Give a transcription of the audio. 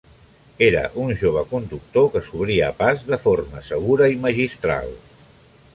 Era un jove conductor que s'obria pas de forma segura i magistral.